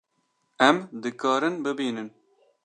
Em dikarin bibînin